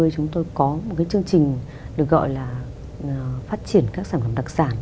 chúng tôi có một chương trình được gọi là phát triển các sản phẩm đặc sản